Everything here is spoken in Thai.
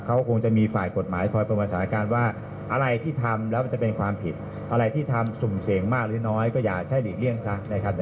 เขาคงจะมีฝ่ายกฎหมายคอยเป็นภาษาการว่าอะไรที่ทำแล้วมันจะเป็นความผิดอะไรที่ทำสุ่มเสี่ยงมากหรือน้อยก็อย่าใช้หลีกเลี่ยงซะนะครับ